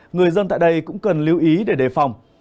người dân tại đây cũng cần lưu ý để đề phòng